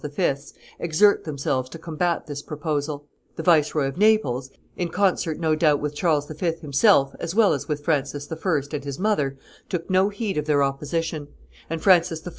's, exert themselves to combat this proposal; the Viceroy of Naples, in concert, no doubt, with Charles V. himself as well as with Francis I. and his mother, took no heed of their opposition; and Francis I.